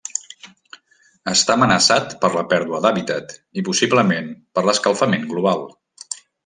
Està amenaçat per la pèrdua d'hàbitat i, possiblement, per l'escalfament global.